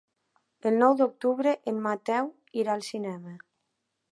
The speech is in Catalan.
El nou d'octubre en Mateu irà al cinema.